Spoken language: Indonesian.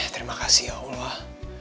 terima kasih ya allah